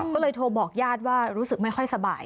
ก็เลยโทรบอกญาติว่ารู้สึกไม่ค่อยสบาย